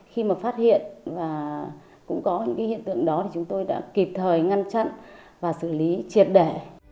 khi mà phát hiện và cũng có những hiện tượng đó thì chúng tôi đã kịp thời ngăn chặn và xử lý triệt để